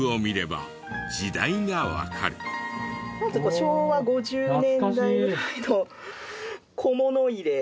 昭和５０年代ぐらいの小物入れ。